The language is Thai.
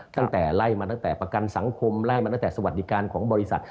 ตั้งแต่ไล่มาตั้งแต่ประกันสังคมไล่มาตั้งแต่สวัสดิการของบริษัท